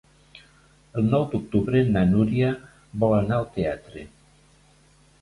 El nou d'octubre na Núria vol anar al teatre.